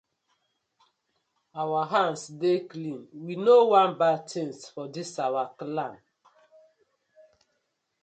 Our hands dey clean, we no wan bad tinz for dis our clan.